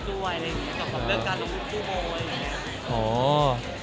ดูว่ายอะไรงี้เองกับหลวงจุดกลัอตุ้มกูเบาก็อย่างนี้